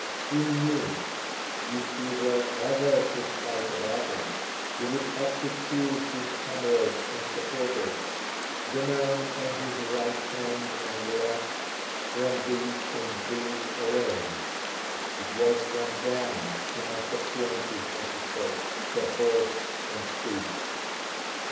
He knew, if he were ever to fight a battle, he would have to choose his comrades and supporters, the men on his right hand and left, from these and these alone; it was from them he must appoint his officers for horse and foot.